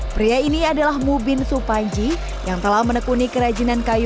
pria ini adalah mubin supanji yang telah menekuni kerajinan kayu